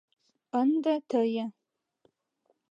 — Ынде тые...